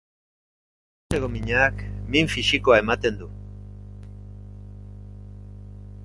Bihotzeko minak min fisikoa ematen du.